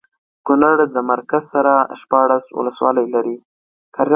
کونړ د مرکز سره شپاړس ولسوالۍ لري